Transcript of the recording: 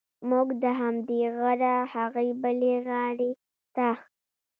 موږ د همدې غره هغې بلې غاړې ته.